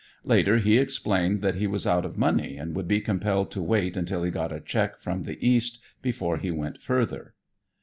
Later he explained that he was out of money and would be compelled to wait until he got a check from the East before he went further.